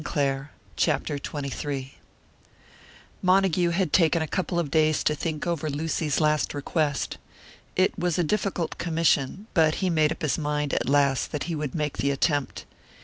"So it goes." CHAPTER XXIII Montague had taken a couple of days to think over Lucy's last request. It was a difficult commission; but he made up his mind at last that he would make the attempt.